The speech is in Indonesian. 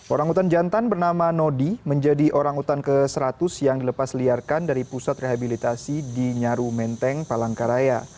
orang utan jantan bernama nodi menjadi orang utan ke seratus yang dilepas liarkan dari pusat rehabilitasi di nyaru menteng palangkaraya